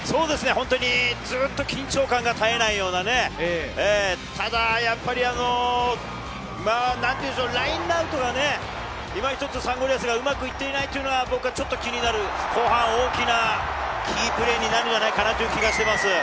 本当にずっと緊張が絶えないようなただやっぱりラインアウトがね、ちょっとサンゴリアスがうまくいっていないのは僕はちょっと気になる後半、大きなキープレーになるんじゃないかという気がしています。